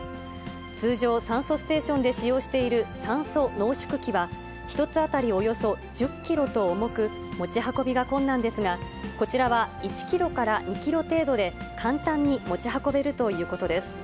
通常、酸素ステーションで使用している酸素濃縮器は、１つ当たりおよそ１０キロと重く、持ち運びが困難ですが、こちらは１キロから２キロ程度で、簡単に持ち運べるということです。